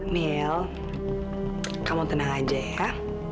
mil kamu tenang aja ya